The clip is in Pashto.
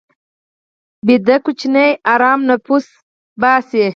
ویده ماشوم ارام نفس باسي